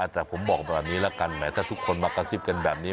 แต่ผมบอกแบบนี้ละกันแม้ถ้าทุกคนมากระซิบกันแบบนี้